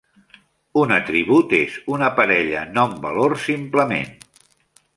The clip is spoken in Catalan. Un "atribut" és una parella nom-valor simplement.